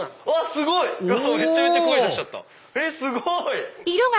すごい！え